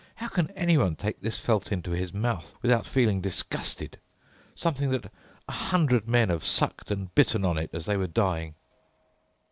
How can anyone take this felt into his mouth without feeling disgusted—something that a hundred man have sucked and bitten on it as they were dying?"